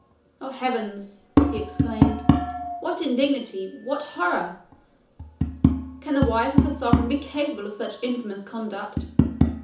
"Oh heavens!" he exclaimed, "what indignity! What horror! Can the wife of a sovereign be capable of such infamous conduct?